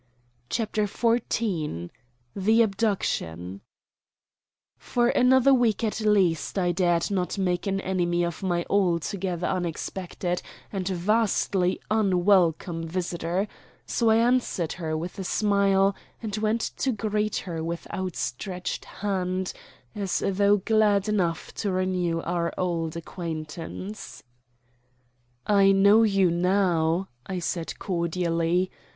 CHAPTER XIV THE ABDUCTION For another week at least I dared not make an enemy of my altogether unexpected and vastly unwelcome visitor, so I answered her with a smile, and went to greet her with outstretched hand, as though glad enough to renew our old acquaintance. "I know you now," I said cordially.